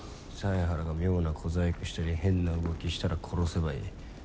犀原が妙な小細工したり変な動きしたら殺せばいい。